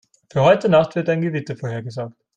Für heute Nacht wird ein Gewitter vorhergesagt.